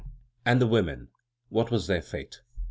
And the women, what was their fate?